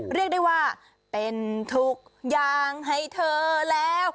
เรียกได้ว่าเป็นทุกอย่างให้เธอแล้ว